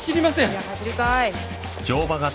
いや走るかーい。